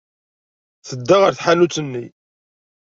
Tedda ɣer tḥanut-nni.